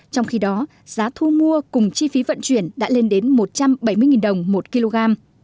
trong khi đó giá thu mua cùng chi phí vận chuyển đã lên đến một trăm bảy mươi đồng một kg